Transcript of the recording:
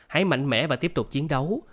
hãy mạnh mẽ và tiếp tục chiến đấu